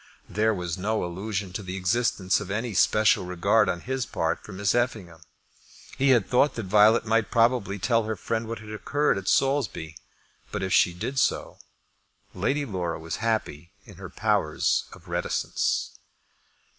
There was no allusion to the existence of any special regard on his part for Miss Effingham. He had thought that Violet might probably tell her friend what had occurred at Saulsby; but if she did so, Lady Laura was happy in her powers of reticence.